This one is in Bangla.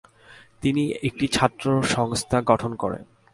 তিনি একটি ছাত্র সংস্থা গঠন করেন।